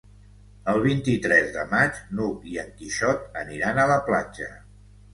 El vint-i-tres de maig n'Hug i en Quixot aniran a la platja.